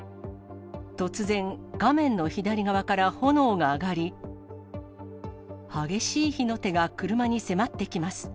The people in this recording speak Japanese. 突然、画面の左側から炎が上がり、激しい火の手が車に迫ってきます。